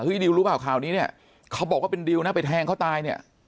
ดิวรู้เปล่าข่าวนี้เนี่ยเขาบอกว่าเป็นดิวนะไปแทงเขาตายเนี่ย